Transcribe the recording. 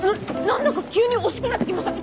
何だか急に惜しくなって来ました。